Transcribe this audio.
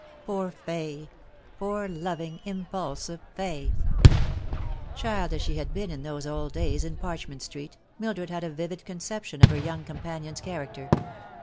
Poor Fay ! poor, loving, impulsive Fay ! Child as she had been in those old days in Parchment Street, Mildred had a vivid conception of her young companion's character.